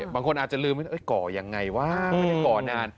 บางคนอาจจะลืมก่อยังไงวะก่อนาน